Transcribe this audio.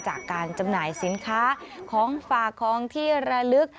จำหน่ายสินค้าของฝากของที่ระลึก